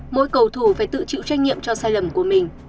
mỗi cầu thủ phải tự chịu trách nhiệm cho sai lầm của mình